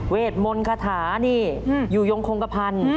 มนต์คาถานี่อยู่ยงคงกระพันธ์